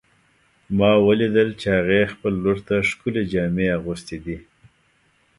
ما ولیدل چې هغې خپل لور ته ښکلې جامې اغوستې دي